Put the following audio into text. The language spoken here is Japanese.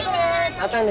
またね。